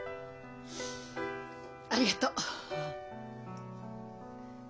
ありがとう。